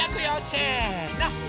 せの。